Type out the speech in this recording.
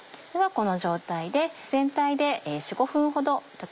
この状態で。